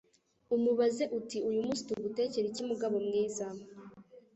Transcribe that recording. umubaze uti uyu munsi tugutekere iki mugabo mwiza